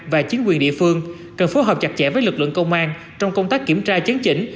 và chính quyền địa phương cần phối hợp chặt chẽ với lực lượng công an trong công tác kiểm tra chấn chỉnh